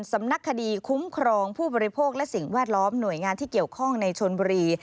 สำนักคดีคุ้มครองผู้บริโภคและสิ่งแวดล้อมหน่วยงานที่เกี่ยวข้องในชนบุรี